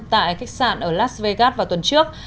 tại khách sạn ở las vegas vào tuần trước